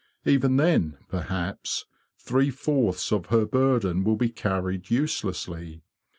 Even then, perhaps, three fourths of her burden will be carried uselessly.